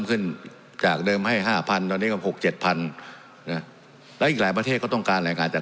สวัสดีสวัสดีสวัสดีสวัสดีสวัสดีสวัสดี